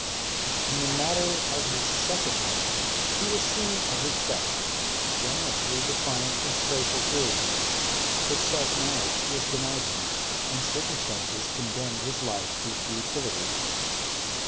In the matter of his second marriage he was seen at his best, generously defiant of social cruelties; but self knowledge was denied him, and circumstances condemned his life to futility.